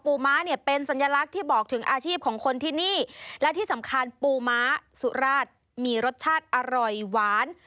ม้าเนี่ยเป็นสัญลักษณ์ที่บอกถึงอาชีพของคนที่นี่และที่สำคัญปูม้าสุราชมีรสชาติอร่อยหวาน